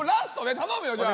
頼むよじゃあ。